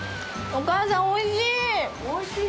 お母さん、おいしい！